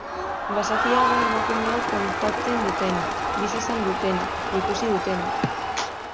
Basatia da emakumeok kontatzen dutena, bizi izan dutena, ikusi dutena.